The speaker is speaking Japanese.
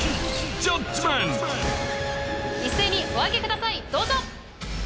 一斉にお上げくださいどうぞ！